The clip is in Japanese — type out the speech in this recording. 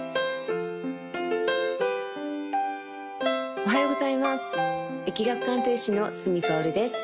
おはようございます易学鑑定士の角かおるです